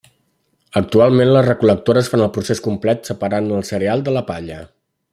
Actualment les recol·lectores fan el procés complet separant el cereal de la palla.